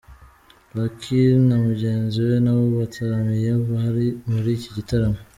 Lucky na mugenzi we nabo bataramiye abari muri iki gitaramo.